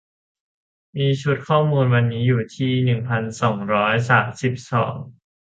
มีชุดข้อมูลวันนี้อยู่ที่ หนึ่งพันสองร้อยสามสิบสอง